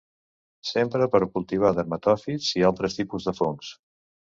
S'empra per a cultivar dermatòfits i altres tipus de fongs.